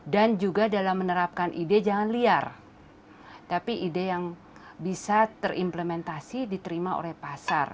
dan juga dalam menerapkan ide jangan liar tapi ide yang bisa terimplementasi diterima oleh pasar